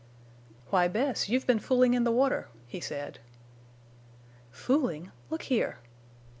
"Why, Bess, you've been fooling in the water," he said. "Fooling? Look here!"